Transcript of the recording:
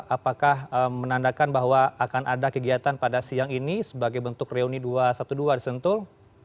apakah menandakan bahwa akan ada kegiatan pada siang ini sebagai bentuk reuni dua ratus dua belas di sentul